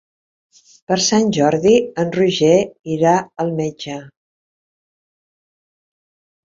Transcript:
Per Sant Jordi en Roger irà al metge.